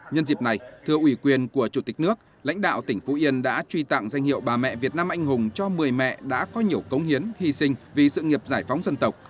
nhân dịp này thưa ủy quyền của chủ tịch nước lãnh đạo tỉnh phú yên đã truy tặng danh hiệu bà mẹ việt nam anh hùng cho một mươi mẹ đã có nhiều công hiến hy sinh vì sự nghiệp giải phóng dân tộc